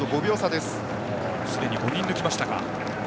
すでに５人抜きましたか。